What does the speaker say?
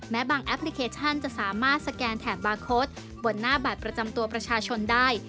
บางแอปพลิเคชันจะสามารถสแกนแถบบาร์โค้ดบนหน้าบัตรประจำตัวประชาชนได้